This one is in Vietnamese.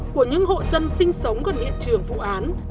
của những hộ dân sinh sống gần hiện trường vụ án